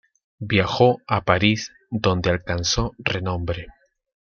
Viajó a París, donde alcanzó renombre.